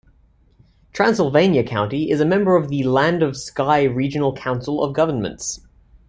Transylvania County is a member of the Land-of-Sky Regional Council of governments.